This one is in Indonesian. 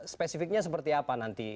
spesifiknya seperti apa nanti